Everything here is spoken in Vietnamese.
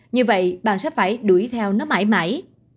như vậy bạn sẽ phải đuổi theo nó mãi mãi